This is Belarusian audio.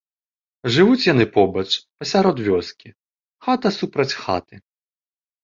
Жывуць яны побач, пасярод вёскі, хата супроць хаты.